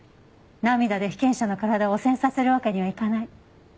涙で被験者の体を汚染させるわけにはいかない。